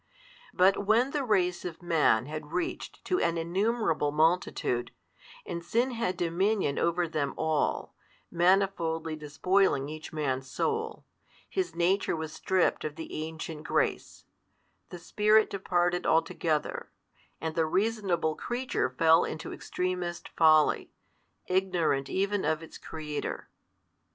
But when the race of man had reached to an innumerable multitude, and sin had dominion over them all, manifoldly despoiling each man's soul, his nature was stripped of the ancient grace; the Spirit departed altogether, and the reasonable creature fell into extremest folly, ignorant even of its Creator.